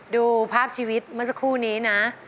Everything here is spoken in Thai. ดูภาพชีวิตเมื่อสักครู่นี้นะ